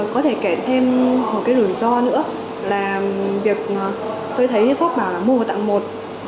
có thể kể thêm một cái rủi ro nữa là việc tôi thấy sốt bảo là mua và tặng một